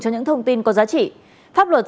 cho những thông tin có giá trị pháp luật